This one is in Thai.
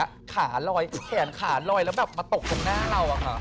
ขาลอยแขนขาลอยแล้วแบบมาตกตรงหน้าเราอะค่ะ